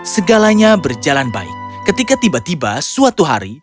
segalanya berjalan baik ketika tiba tiba suatu hari